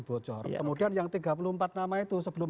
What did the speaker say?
bocor kemudian yang tiga puluh empat nama itu sebelum